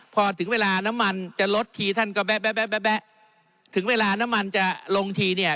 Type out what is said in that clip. พอถึงเวลาน้ำมันจะลดทีท่านก็แบ๊ะแบ๊ะถึงเวลาน้ำมันจะลงทีเนี่ย